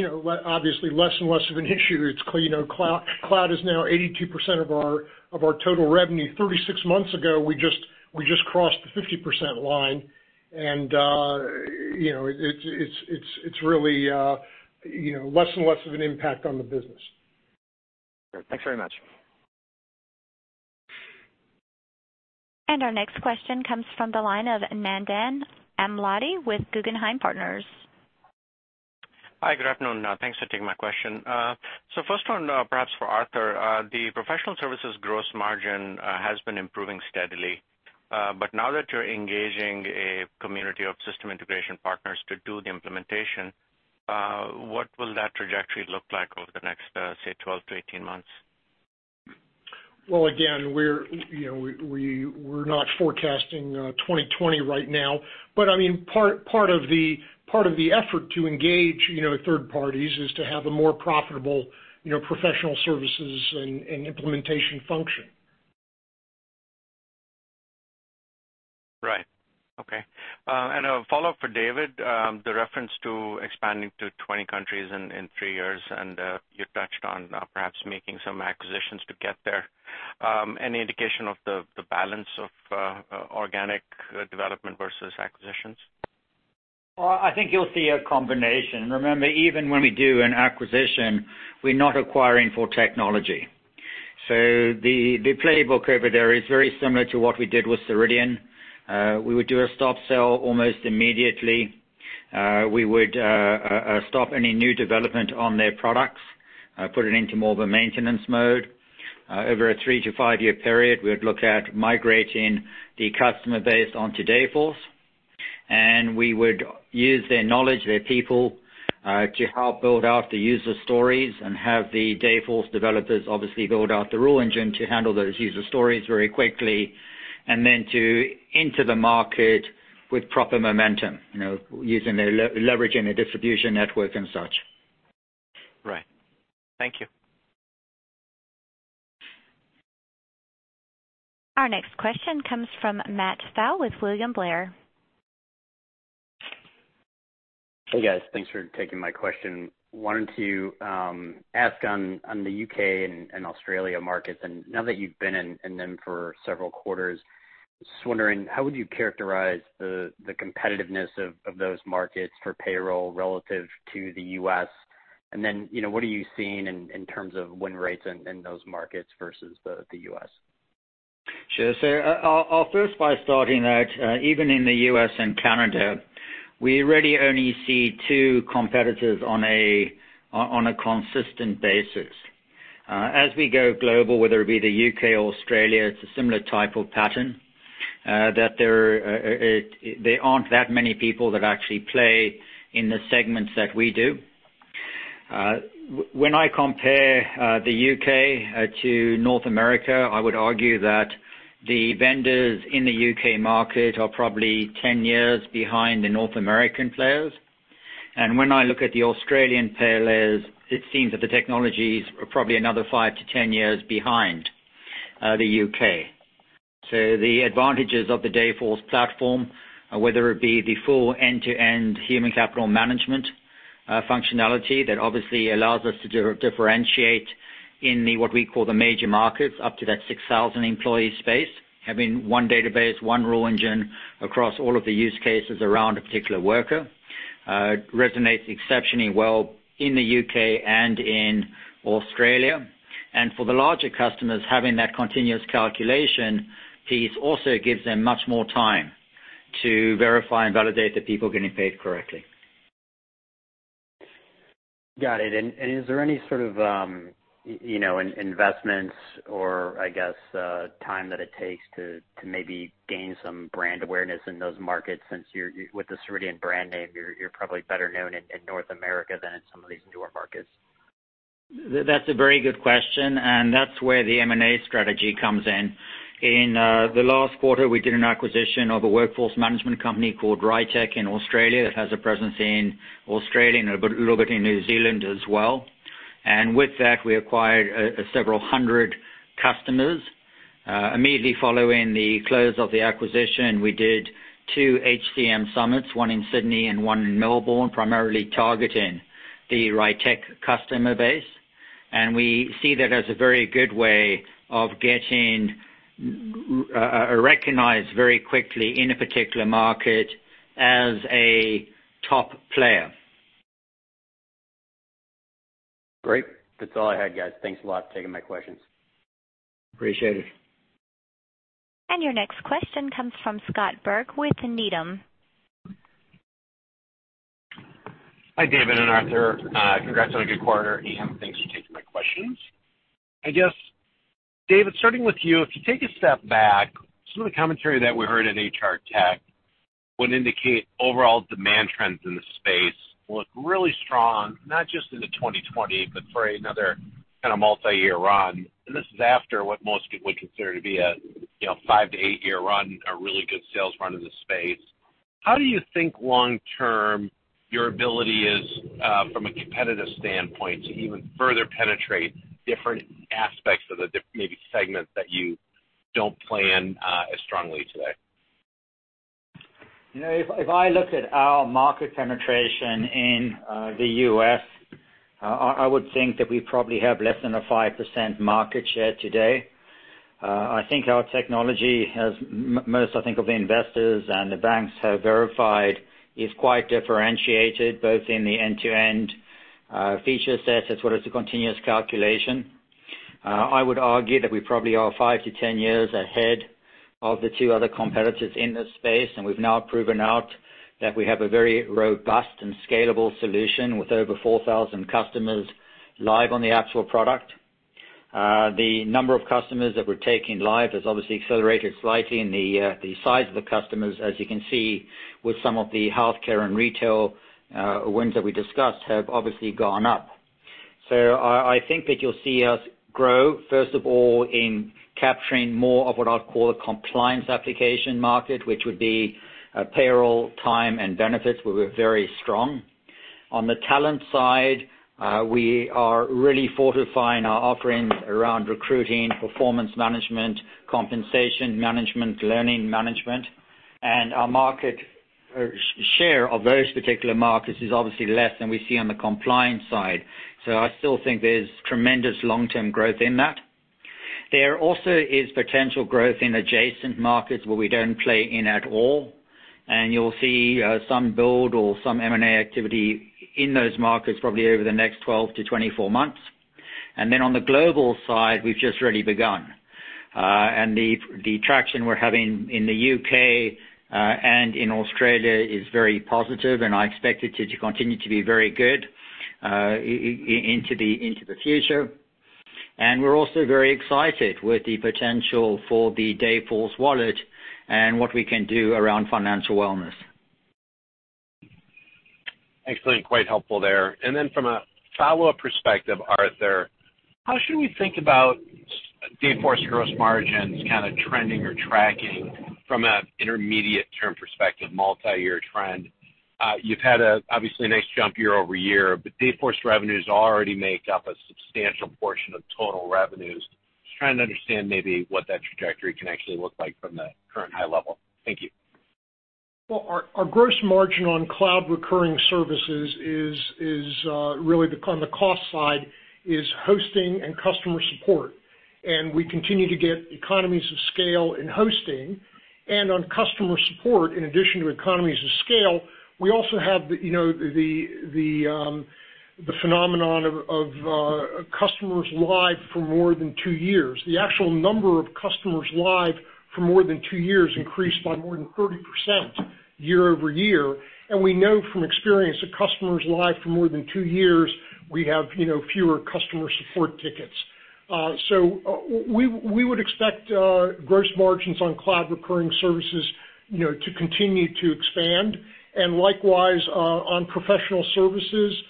becoming obviously less and less of an issue. Cloud is now 82% of our total revenue. 36 months ago, we just crossed the 50% line, it's really less and less of an impact on the business. Great. Thanks very much. Our next question comes from the line of Nandan Amladi with Guggenheim Securities. Hi. Good afternoon. Thanks for taking my question. First one perhaps for Arthur, the professional services gross margin has been improving steadily. Now that you're engaging a community of system integration partners to do the implementation, what will that trajectory look like over the next, say, 12-18 months? Well, again, we're not forecasting 2020 right now, but part of the effort to engage third parties is to have a more profitable professional services and implementation function. Right. Okay. A follow-up for David, the reference to expanding to 20 countries in three years, and you touched on perhaps making some acquisitions to get there. Any indication of the balance of organic development versus acquisitions? Well, I think you'll see a combination. Remember, even when we do an acquisition, we're not acquiring for technology. The playbook over there is very similar to what we did with Ceridian. We would do a stop sell almost immediately. We would stop any new development on their products, put it into more of a maintenance mode. Over a three to five-year period, we would look at migrating the customer base onto Dayforce, and we would use their knowledge, their people, to help build out the user stories and have the Dayforce developers obviously build out the rule engine to handle those user stories very quickly. To enter the market with proper momentum, leveraging their distribution network and such. Right. Thank you. Our next question comes from Matt Pfau with William Blair. Hey, guys. Thanks for taking my question. Wanted to ask on the U.K. and Australia markets, and now that you've been in them for several quarters, just wondering how would you characterize the competitiveness of those markets for payroll relative to the U.S., and then what are you seeing in terms of win rates in those markets versus the U.S.? Sure. I'll first by starting out, even in the U.S. and Canada, we really only see two competitors on a consistent basis. As we go global, whether it be the U.K. or Australia, it's a similar type of pattern, that there aren't that many people that actually play in the segments that we do. When I compare the U.K. to North America, I would argue that the vendors in the U.K. market are probably 10 years behind the North American players. When I look at the Australian players, it seems that the technologies are probably another five to 10 years behind the U.K. The advantages of the Dayforce platform, whether it be the full end-to-end human capital management functionality that obviously allows us to differentiate in the, what we call the major markets, up to that 6,000 employee space, having one database, one rule engine across all of the use cases around a particular worker, resonates exceptionally well in the U.K. and in Australia. For the larger customers, having that continuous calculation piece also gives them much more time to verify and validate that people are getting paid correctly. Got it. Is there any sort of investments or, I guess, time that it takes to maybe gain some brand awareness in those markets since with the Ceridian brand name, you're probably better known in North America than in some of these newer markets? That's a very good question, and that's where the M&A strategy comes in. In the last quarter, we did an acquisition of a workforce management company called RITEQ in Australia. It has a presence in Australia and a little bit in New Zealand as well. With that, we acquired several hundred customers. Immediately following the close of the acquisition, we did two HCM summits, one in Sydney and one in Melbourne, primarily targeting the RITEQ customer base. We see that as a very good way of getting recognized very quickly in a particular market as a top player. Great. That's all I had, guys. Thanks a lot for taking my questions. Appreciate it. Your next question comes from Scott Berg with Needham. Hi, David and Arthur. Congrats on a good quarter, and thanks for taking my questions. I guess, David, starting with you, if you take a step back, some of the commentary that we heard at HR Tech would indicate overall demand trends in the space look really strong, not just into 2020, but for another kind of multi-year run. This is after what most would consider to be a 5-8 year run, a really good sales run in the space. How do you think long-term your ability is, from a competitive standpoint, to even further penetrate different aspects of the maybe segments that you don't plan as strongly today? If I looked at our market penetration in the U.S., I would think that we probably have less than a 5% market share today. I think our technology has, most of the investors and the banks have verified, is quite differentiated, both in the end-to-end feature set as well as the continuous calculation. I would argue that we probably are five to 10 years ahead of the two other competitors in this space. We've now proven out that we have a very robust and scalable solution with over 4,000 customers live on the actual product. The number of customers that we're taking live has obviously accelerated slightly. The size of the customers, as you can see with some of the healthcare and retail wins that we discussed, have obviously gone up. I think that you'll see us grow, first of all, in capturing more of what I'd call a compliance application market, which would be payroll, time, and benefits, where we're very strong. On the talent side, we are really fortifying our offerings around recruiting, performance management, compensation management, learning management. Our share of those particular markets is obviously less than we see on the compliance side. I still think there's tremendous long-term growth in that. There also is potential growth in adjacent markets where we don't play in at all, and you'll see some build or some M&A activity in those markets probably over the next 12 to 24 months. On the global side, we've just really begun. The traction we're having in the U.K. and in Australia is very positive, and I expect it to continue to be very good into the future. We're also very excited with the potential for the Dayforce Wallet and what we can do around financial wellness. Excellent. Quite helpful there. Then from a follow-up perspective, Arthur, how should we think about Dayforce gross margins kind of trending or tracking from an intermediate term perspective, multi-year trend? You've had obviously a nice jump year-over-year, but Dayforce revenues already make up a substantial portion of total revenues. Just trying to understand maybe what that trajectory can actually look like from the current high level. Thank you. Well, our gross margin on cloud recurring services is really on the cost side, is hosting and customer support. We continue to get economies of scale in hosting. On customer support, in addition to economies of scale, we also have the phenomenon of customers live for more than two years. The actual number of customers live for more than two years increased by more than 30% year-over-year. We know from experience that customers live for more than two years, we have fewer customer support tickets. We would expect gross margins on cloud recurring services to continue to expand. Likewise, on professional services,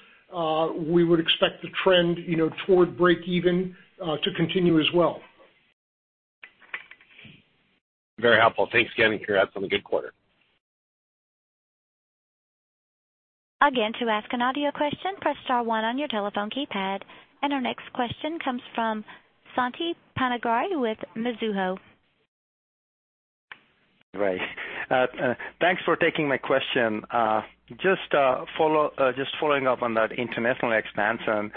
we would expect the trend toward breakeven to continue as well. Very helpful. Thanks again. Congrats on a good quarter. Again, to ask an audio question, press star one on your telephone keypad. Our next question comes from Siti Panigrahi with Mizuho. Great. Thanks for taking my question. Following up on that international expansion.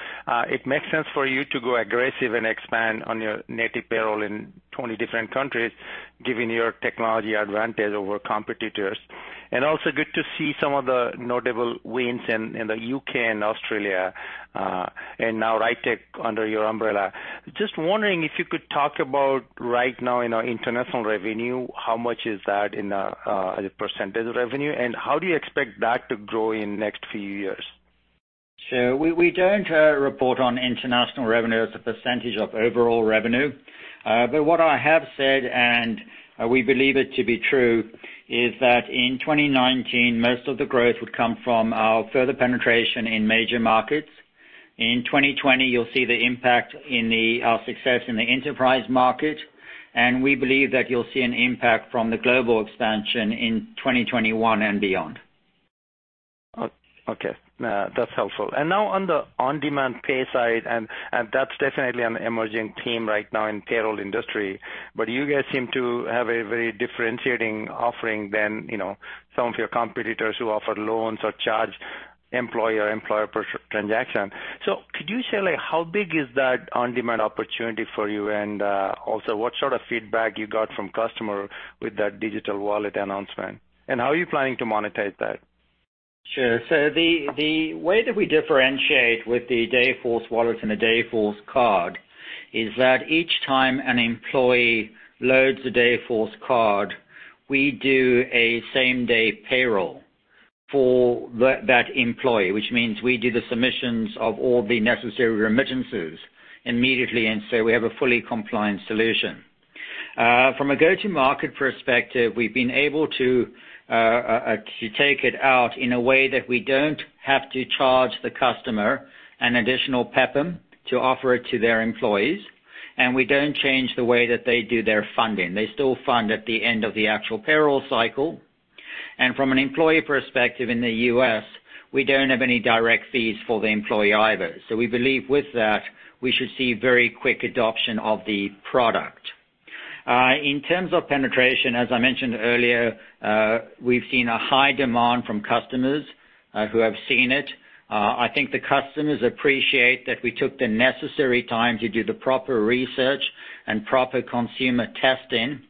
It makes sense for you to go aggressive and expand on your native payroll in 20 different countries given your technology advantage over competitors. Also good to see some of the notable wins in the U.K. and Australia. Now RITEQ under your umbrella. Wondering if you could talk about right now international revenue, how much is that in a % of revenue, and how do you expect that to grow in next few years? Sure. We don't report on international revenue as a percentage of overall revenue. What I have said, and we believe it to be true, is that in 2019, most of the growth would come from our further penetration in major markets. In 2020, you'll see the impact in our success in the enterprise market, and we believe that you'll see an impact from the global expansion in 2021 and beyond. Okay. That's helpful. Now on the on-demand pay side, and that's definitely an emerging theme right now in payroll industry, but you guys seem to have a very differentiating offering than some of your competitors who offer loans or charge employer per transaction. Could you say, how big is that on-demand opportunity for you? Also, what sort of feedback you got from customer with that Dayforce Wallet announcement? How are you planning to monetize that? Sure. The way that we differentiate with the Dayforce Wallet and the Dayforce Card is that each time an employee loads a Dayforce Card, we do a same-day payroll for that employee, which means we do the submissions of all the necessary remittances immediately, and so we have a fully compliant solution. From a go-to-market perspective, we've been able to take it out in a way that we don't have to charge the customer an additional PEPM to offer it to their employees. We don't change the way that they do their funding. They still fund at the end of the actual payroll cycle. From an employee perspective in the U.S., we don't have any direct fees for the employee either. We believe with that, we should see very quick adoption of the product. In terms of penetration, as I mentioned earlier, we've seen a high demand from customers who have seen it. I think the customers appreciate that we took the necessary time to do the proper research and proper consumer testing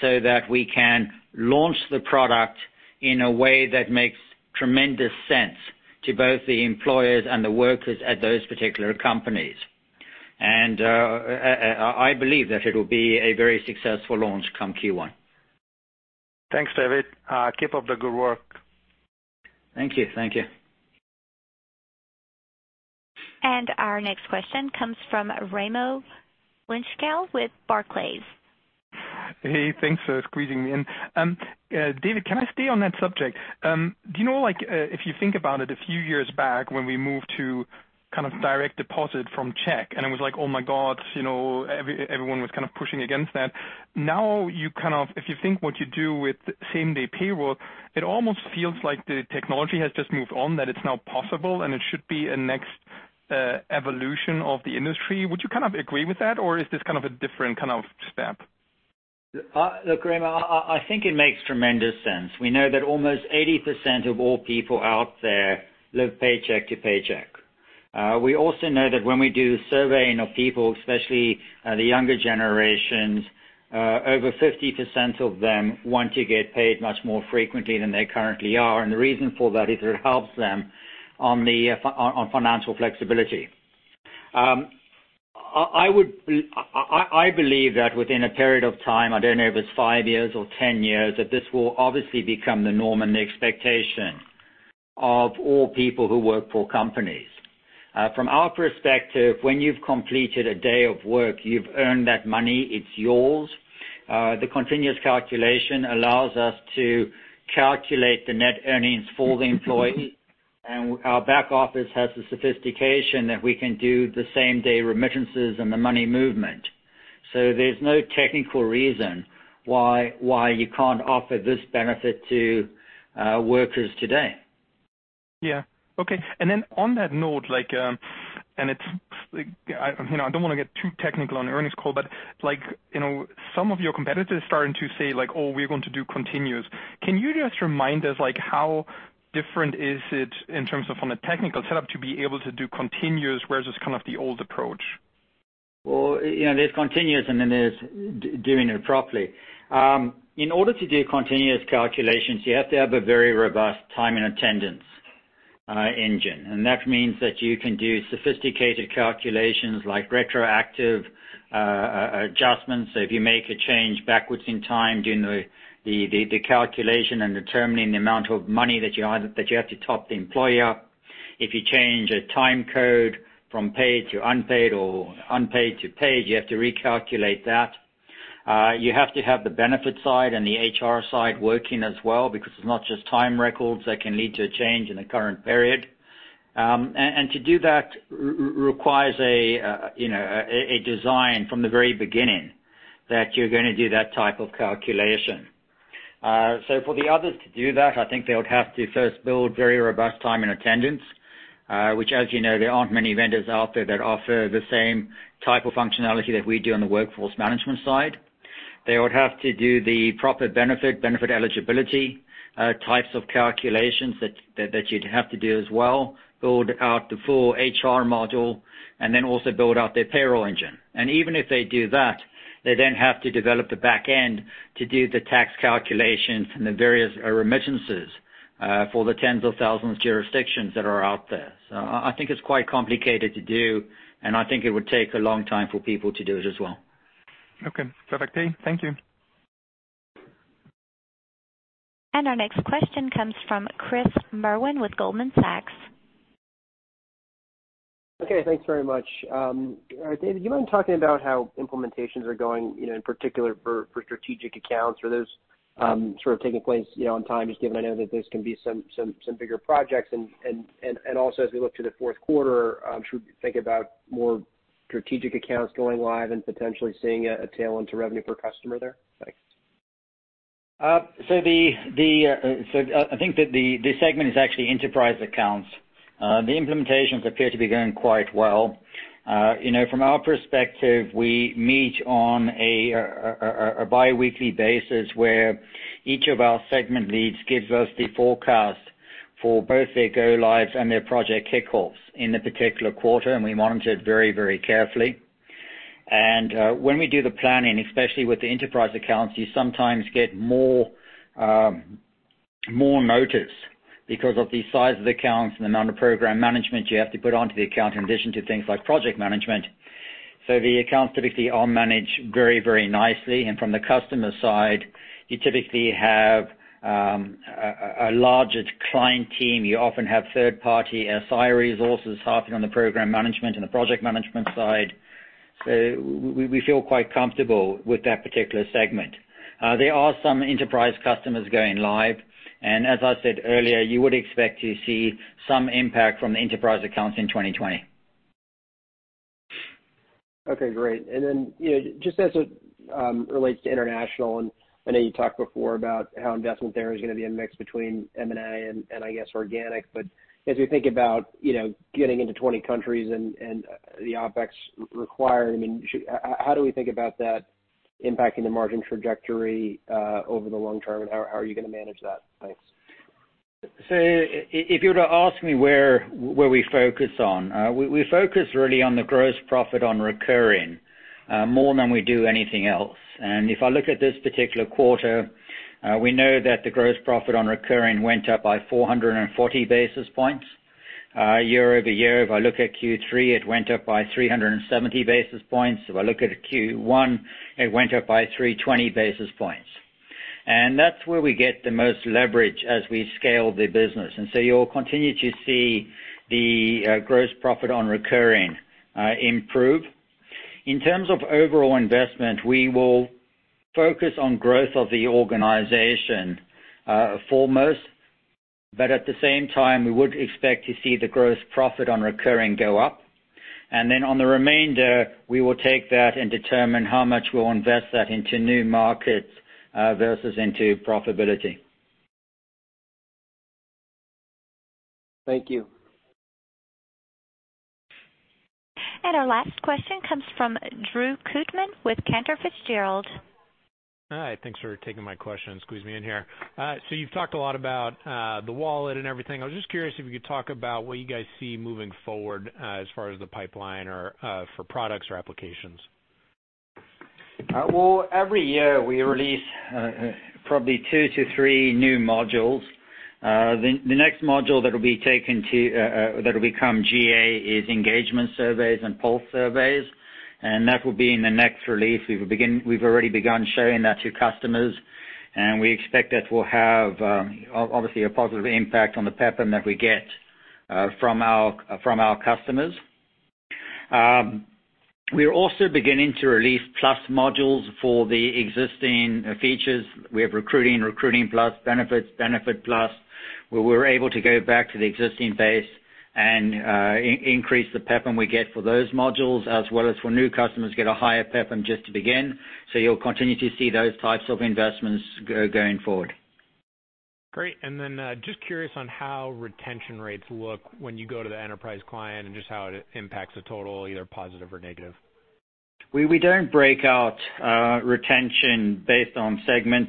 so that we can launch the product in a way that makes tremendous sense to both the employers and the workers at those particular companies. I believe that it'll be a very successful launch come Q1. Thanks, David. Keep up the good work. Thank you. Our next question comes from Raimo Lenschow with Barclays. Hey, thanks for squeezing me in. David, can I stay on that subject? Do you know if you think about it a few years back when we moved to direct deposit from check, it was like, "Oh, my God," everyone was pushing against that. If you think what you do with same-day payroll, it almost feels like the technology has just moved on, that it's now possible, and it should be a next evolution of the industry. Would you agree with that? Is this a different kind of step? Look, Raimo, I think it makes tremendous sense. We know that almost 80% of all people out there live paycheck to paycheck. We also know that when we do surveying of people, especially the younger generations, over 50% of them want to get paid much more frequently than they currently are. The reason for that is it helps them on financial flexibility. I believe that within a period of time, I don't know if it's 5 years or 10 years, that this will obviously become the norm and the expectation of all people who work for companies. From our perspective, when you've completed a day of work, you've earned that money. It's yours. The continuous calculation allows us to calculate the net earnings for the employee. Our back office has the sophistication that we can do the same-day remittances and the money movement. There's no technical reason why you can't offer this benefit to workers today. Yeah. Okay. Then on that note, I don't want to get too technical on earnings call, but some of your competitors starting to say like, "Oh, we're going to do continuous." Can you just remind us how different is it in terms of on a technical setup to be able to do continuous versus the old approach? Well, there's continuous, and then there's doing it properly. In order to do continuous calculations, you have to have a very robust time and attendance engine. That means that you can do sophisticated calculations like retroactive adjustments. If you make a change backwards in time during the calculation and determining the amount of money that you have to top the employer. If you change a time code from paid to unpaid or unpaid to paid, you have to recalculate that. You have to have the benefit side and the HR side working as well because it's not just time records that can lead to a change in the current period. To do that requires a design from the very beginning that you're going to do that type of calculation. For the others to do that, I think they would have to first build very robust time and attendance, which as you know, there aren't many vendors out there that offer the same type of functionality that we do on the workforce management side. They would have to do the proper benefit eligibility types of calculations that you'd have to do as well, build out the full HR module, and then also build out their payroll engine. Even if they do that, they then have to develop the back end to do the tax calculations and the various remittances for the tens of thousands of jurisdictions that are out there. I think it's quite complicated to do, and I think it would take a long time for people to do it as well. Okay. Perfect. Thank you. Our next question comes from Chris Merwin with Goldman Sachs. Okay. Thanks very much. David, do you mind talking about how implementations are going in particular for strategic accounts or those sort of taking place on time, just given I know that those can be some bigger projects? As we look to the fourth quarter, should we think about more strategic accounts going live and potentially seeing a tailwind to revenue per customer there? Thanks. I think that the segment is actually enterprise accounts. The implementations appear to be going quite well. From our perspective, we meet on a biweekly basis where each of our segment leads gives us the forecast for both their go lives and their project kickoffs in the particular quarter, and we monitor it very carefully. When we do the planning, especially with the enterprise accounts, you sometimes get more notice because of the size of the accounts and the amount of program management you have to put onto the account in addition to things like project management. The accounts typically are managed very nicely, and from the customer side, you typically have a larger client team. You often have third-party SI resources helping on the program management and the project management side. We feel quite comfortable with that particular segment. There are some enterprise customers going live, and as I said earlier, you would expect to see some impact from the enterprise accounts in 2020. Okay, great. Just as it relates to international, and I know you talked before about how investment there is going to be a mix between M&A and I guess, organic, but as we think about getting into 20 countries and the OpEx required, how do we think about that impacting the margin trajectory over the long term, and how are you going to manage that? Thanks. If you were to ask me where we focus on, we focus really on the gross profit on recurring more than we do anything else. If I look at this particular quarter, we know that the gross profit on recurring went up by 440 basis points year-over-year. If I look at Q3, it went up by 370 basis points. If I look at Q1, it went up by 320 basis points. That's where we get the most leverage as we scale the business. You'll continue to see the gross profit on recurring improve. In terms of overall investment, we will focus on growth of the organization foremost. At the same time, we would expect to see the gross profit on recurring go up. Then on the remainder, we will take that and determine how much we'll invest that into new markets versus into profitability. Thank you. Our last question comes from Drew Kootman with Cantor Fitzgerald. Hi, thanks for taking my question and squeezing me in here. You've talked a lot about the Dayforce Wallet and everything. I was just curious if you could talk about what you guys see moving forward as far as the pipeline or for products or applications. Well, every year we release probably two to three new modules. The next module that'll become GA is engagement surveys and pulse surveys, and that will be in the next release. We've already begun showing that to customers, and we expect that will have, obviously, a positive impact on the PEP that we get from our customers. We are also beginning to release plus modules for the existing features. We have recruiting plus, benefits, benefit plus, where we're able to go back to the existing base and increase the PEP we get for those modules as well as for new customers get a higher PEP just to begin. You'll continue to see those types of investments going forward. Great. Just curious on how retention rates look when you go to the enterprise client and just how it impacts the total, either positive or negative? We don't break out retention based on segment.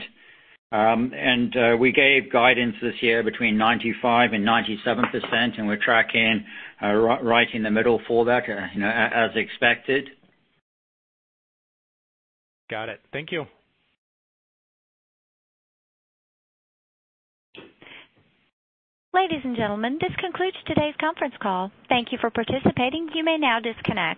We gave guidance this year between 95% and 97%, and we're tracking right in the middle for that as expected. Got it. Thank you. Ladies and gentlemen, this concludes today's conference call. Thank you for participating. You may now disconnect.